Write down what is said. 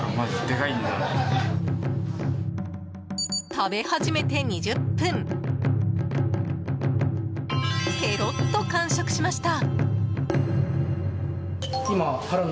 食べ始めて２０分ペロッと完食しました。